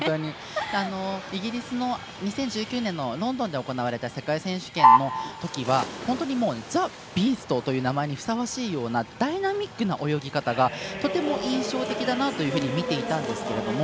イギリスの２０１９年のロンドンで行われた世界選手権のときは本当にザ・ビーストという名前にふさわしいようなダイナミックな泳ぎ方がとても印象的だなと見ていたんですけれども。